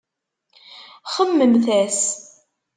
Xemmememt-as.